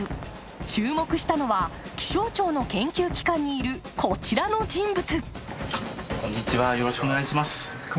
注目したのは、気象庁の研究機関にいる、こちらの人物。